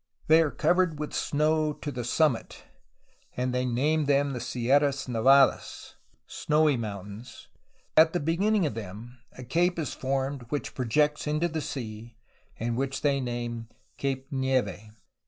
They are covered with snow to the summit, and they named them the Sierras Nevadas.^ At the beginning of them a cape is formed which projects into the sea, and which they named Cape Nieve."